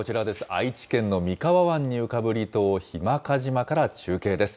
愛知県の三河湾に浮かぶ離島、日間賀島から中継です。